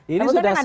ini sudah selesai